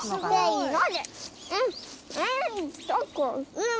うん。